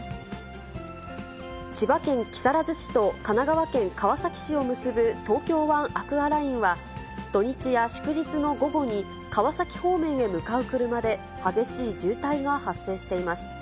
千葉県木更津市と神奈川県川崎市を結ぶ東京湾アクアラインは、土日や祝日の午後に、川崎方面へ向かう車で激しい渋滞が発生しています。